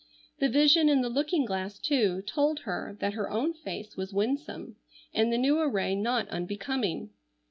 The vision in the looking glass, too, told her that her own face was winsome, and the new array not unbecoming.